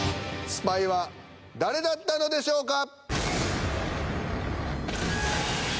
スパイは誰だったのでしょうか？